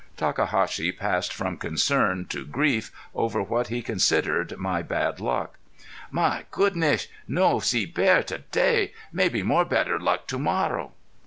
Takahashi passed from concern to grief over what he considered my bad luck: "My goodnish! No see bear to day?... Maybe more better luck to morrow."